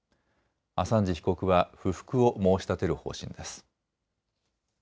アサンジ被告は不服を申し立てる方針です。